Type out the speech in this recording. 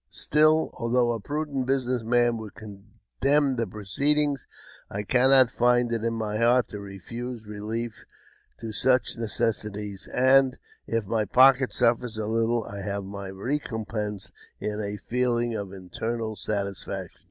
Still, although a prudent business man would condemn the proceeding, I cannot nnd it in my heart to refuse relief to such necessities, and, if my pocket suffers a little, I have my recompense in a feeling of internal satisfaction.